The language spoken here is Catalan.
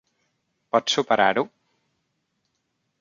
Pots superar-ho?